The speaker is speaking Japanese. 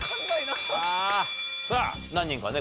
さあ何人かね